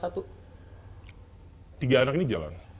tiga anak ini jalan